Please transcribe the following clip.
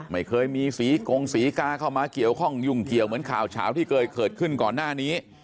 ไม่เคยมีศรีกงศรีกาเข้ามาเกี่ยวข้องยุ่งเกี่ยวเหมือนข่าวเฉาที่เคยเกิดขึ้นก่อนหน้านี้